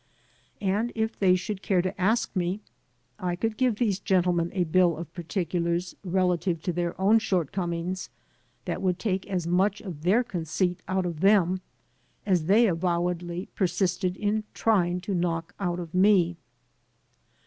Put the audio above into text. And if they should care to ask me, I could give these gentlemen a bill of particulars relative to their own shortcomings that would take as much of their conceit out of them as they avowedly persisted in trying to knock out of me.